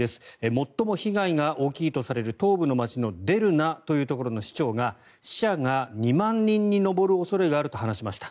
最も被害の大きい東部の街のデルナというところの市長が死者が２万人に上る恐れがあると話しました。